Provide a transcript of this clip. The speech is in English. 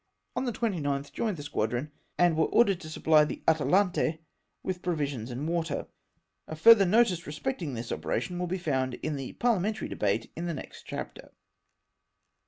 On the 29th joined the squadron, and were ordered to supply the Atalante with provisions and Avater. A further notice respecting this operation will be found in the parliamentary debate in the next chapter.